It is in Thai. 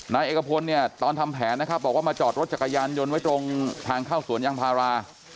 นายเอกพลเนี่ยตอนทำแผนนะครับบอกว่ามาจอดรถจักรยานยนต์ไว้ตรงทางเข้าสวนยางพารา